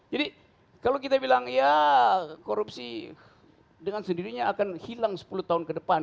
jadi kalau kita bilang ya korupsi dengan sendirinya akan hilang sepuluh tahun ke depan